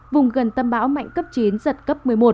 vùng gần tâm bão mạnh cấp chín giật cấp một mươi một